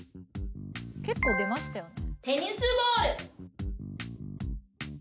結構出ましたよね。